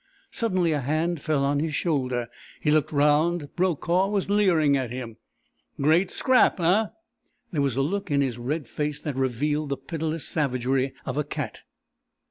Suddenly a hand fell on his shoulder. He looked round. Brokaw was leering at him. "Great scrap, eh?" There was a look in his red face that revealed the pitiless savagery of a cat.